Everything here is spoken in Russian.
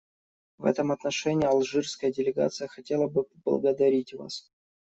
В этом отношении алжирская делегация хотела бы поблагодарить вас,.